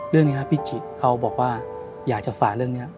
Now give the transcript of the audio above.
เรื่องนี้ครับพี่จิเขาบอกว่าอยากจะฝ่าเรื่องนี้